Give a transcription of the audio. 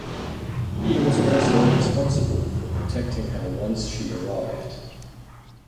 He was also responsible for protecting her once she arrived.